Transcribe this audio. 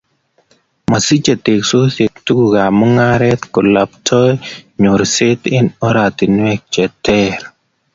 Masiche teksosiek tukuk ab mungaret, kalaptoi nyorset eng oratinwek che ter